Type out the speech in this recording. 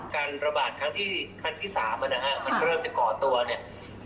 การระบาดทั้งที่ขั้นที่๓มันก็เริ่มจะก่อตัวเนี่ย